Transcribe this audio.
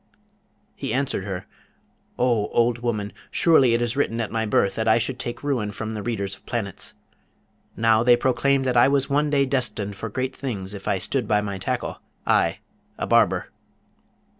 He answered her, 'O old woman, surely it was written at my birth that I should take ruin from the readers of planets. Now, they proclaimed that I was one day destined for great things, if I stood by my tackle, I, a barber.